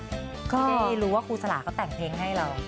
ที่ได้รู้ว่าคุณสลาห์ก็แต่งเพลงให้เรา